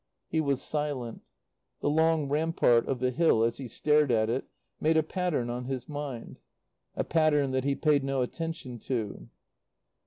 '" He was silent. The long rampart of the hill, as he stared at it, made a pattern on his mind; a pattern that he paid no attention to.